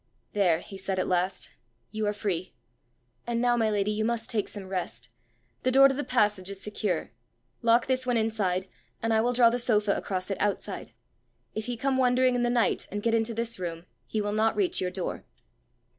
"There!" he said at last, "you are free! And now, my lady, you must take some rest. The door to the passage is secure. Lock this one inside, and I will draw the sofa across it outside: if he come wandering in the night, and get into this room, he will not reach your door."